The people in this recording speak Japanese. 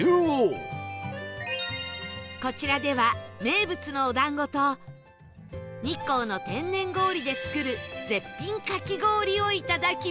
こちらでは名物のお団子と日光の天然氷で作る絶品かき氷をいただきます